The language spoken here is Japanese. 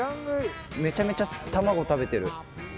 めちゃめちゃ卵食べてる。